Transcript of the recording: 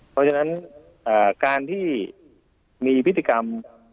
เพราะฉะนั้นการที่มีพฤติกรรม